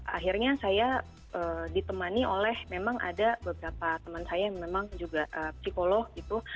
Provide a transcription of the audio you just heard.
akhirnya saya ditemani oleh memang ada beberapa teman saya yang memang juga psikolog gitu